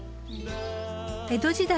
［江戸時代